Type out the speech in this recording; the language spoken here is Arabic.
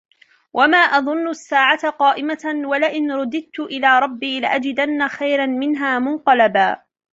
وما أظن الساعة قائمة ولئن رددت إلى ربي لأجدن خيرا منها منقلبا